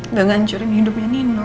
udah ngancurin hidupnya nino